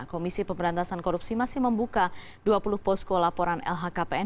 komisi pemberantasan korupsi masih membuka dua puluh posko laporan lhkpn